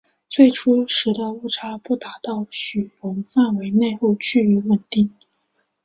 最初时的误差为不达到许容范围内后趋于稳定。